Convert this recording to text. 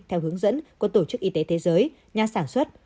theo hướng dẫn của tổ chức y tế thế giới nhà sản xuất